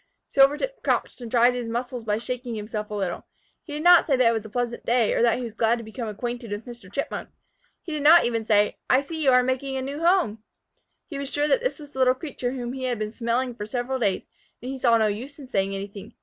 Silvertip crouched and tried his muscles by shaking himself a little. He did not say that it was a pleasant day, or that he was glad to become acquainted with Mr. Chipmunk. He did not even say, "I see you are making a new home!" He was sure this was the little creature whom he had been smelling for several days, and he saw no use in saying anything.